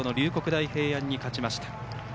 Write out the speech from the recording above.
大平安に勝ちました。